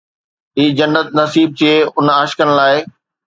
هي جنت نصيب ٿئي ان عاشقن لاءِ